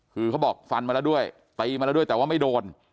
คือเขาบอกฟันมาแล้วด้วยตีมาแล้วด้วยแต่ว่าไม่โดน